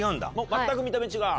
全く見た目違う？